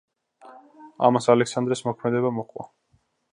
ამას ალექსანდრეს მოქმედება მოჰყვა.